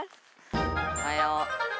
おはよう。